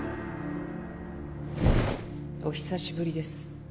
お久しぶりです。